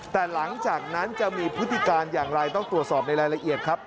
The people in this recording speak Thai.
แต่หลังจากนั้นจะมีพฤติการอย่างไรต้องตรวจสอบในรายละเอียดครับ